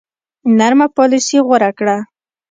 نرمه پالیسي غوره کړه.